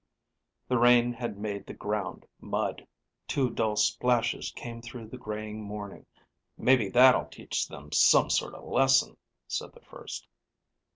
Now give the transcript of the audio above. The rain had made the ground mud. Two dull splashes came through the graying morning. "Maybe that'll teach them some sort of lesson," said the first.